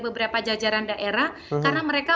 beberapa jajaran daerah karena mereka